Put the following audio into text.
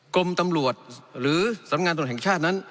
กรมตำรวจหรือสำงานตรวจแห่งชาตินั้น